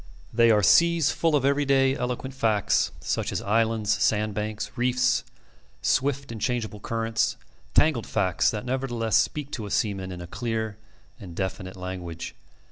They are seas full of every day, eloquent facts, such as islands, sand banks, reefs, swift and changeable currents tangled facts that nevertheless speak to a seaman in clear and definite language.